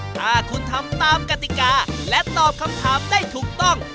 ถ้าคุณทำตามกติกาและตอบคำถามได้ถูกต้อง